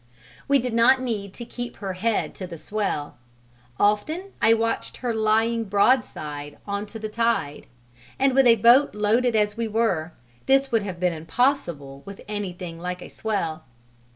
We did not need to keep her head to the swell: often I watched her lying broadside on to the tide, and with a boat loaded as we were, this would have been impossible with anything like a swell.